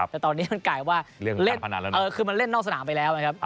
แต่ตอนนี้มันกลายว่าเล่นนอกสนามไปแล้วนะครับ